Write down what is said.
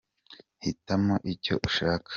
hitamo icyo ushaka.